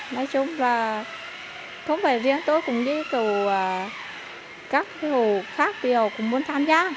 nói chung là không phải riêng tôi cũng như các hồ khác bây giờ cũng muốn tham gia